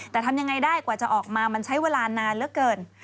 แต่ทำยังไงได้กว่าจะออกมามันใช้เวลานานเหลือเกิน